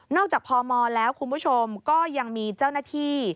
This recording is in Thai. จากพมแล้วคุณผู้ชมก็ยังมีเจ้าหน้าที่